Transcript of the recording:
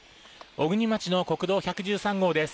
小国町の国道１１３号です。